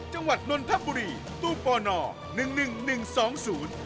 จังหวัดนนทัพบุรีตู้ป่อนอร์๑๑๑๒๐